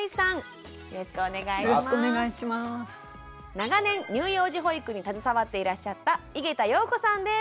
長年乳幼児保育に携わっていらっしゃった井桁容子さんです。